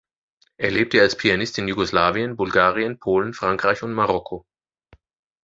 Er lebte als Pianist in Jugoslawien, Bulgarien, Polen, Frankreich und Marokko.